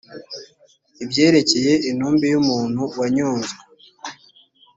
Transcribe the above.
ibyerekeye intumbi y’umuntu wanyonzwe